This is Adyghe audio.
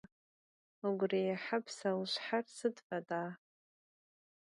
Vugu rihre pseuşsher sıd feda?